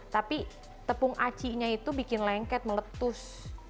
tapi tepung aci nya itu bikin lengket meletus